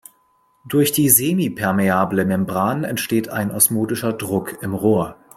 Durch die semipermeable Membran entsteht ein osmotischer Druck im Rohr.